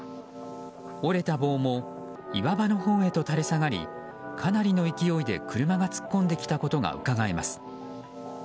折れた棒も岩場のほうへと垂れ下がりかなりの勢いで車が突っ込んできたことがうかがえます。